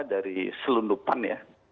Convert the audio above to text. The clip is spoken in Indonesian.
dari selundupan ya